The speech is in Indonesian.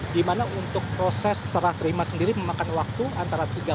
di mana untuk proses serah terima sendiri memakan waktu antara tiga jam